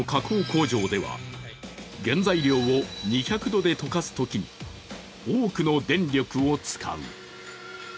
工場では原材料を２００度で溶かすときに多くの電力を使う。